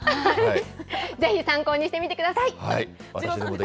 ぜひ参考にしてみてください。